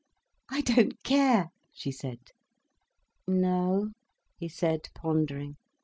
"I don't care," she said. "No—?" he said, pondering.